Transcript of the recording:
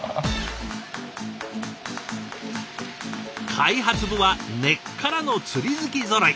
開発部は根っからの釣り好きぞろい。